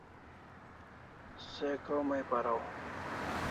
Se kromai paraw